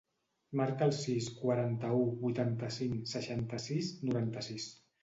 Marca el sis, quaranta-u, vuitanta-cinc, seixanta-sis, noranta-sis.